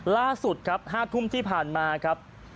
ล่าสุดครับ๕ทุ่มที่ผ่านมาครับ